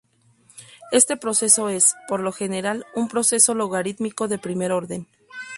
Este proceso es, por lo general, un proceso logarítmico de primer orden.